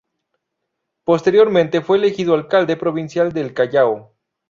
Posteriormente fue elegido alcalde provincial del Callao.